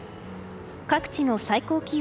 各地の最高気温。